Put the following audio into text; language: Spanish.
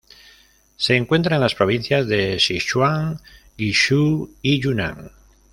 Se encuentra en las provincias de Sichuan, Guizhou y Yunnan.